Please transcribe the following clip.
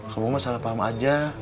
kamu mah salah paham aja